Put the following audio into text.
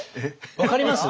分かります？